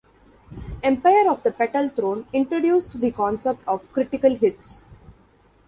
"Empire of the Petal Throne" introduced the concept of critical hits.